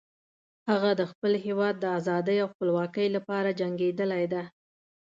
هغه د خپل هیواد د آزادۍ او خپلواکۍ لپاره جنګیدلی ده